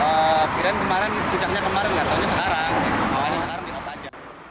akhirnya kemarin ucapnya kemarin gak tau sekarang